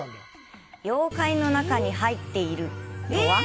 妖怪の中に入っているとは？